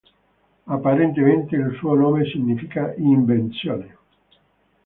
Apparentemente il suo nome significa "invenzione".